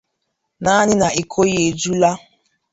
naanị na iko ya ejula